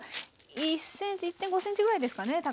１ｃｍ１．５ｃｍぐらいですかね？